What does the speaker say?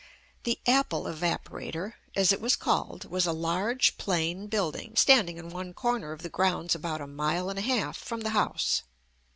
"The apple evaporator/' as it was called, was a large plain building standing in one corner of the grounds about a mile and a half from the house.